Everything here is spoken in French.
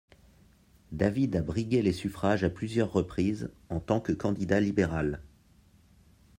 David a brigué les suffrages à plusieurs reprises en tant que candidat libéral.